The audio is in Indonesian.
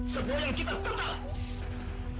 sebuah yang kita tetap